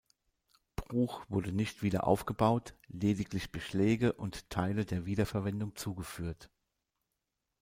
Bruch wurde nicht wiederaufgebaut, lediglich Beschläge und Teile der Wiederverwendung zugeführt.